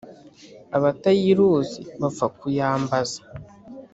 Abatayiruzi bapfa kuyambaza.